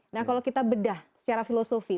nah kalau kita bedah secara filosofi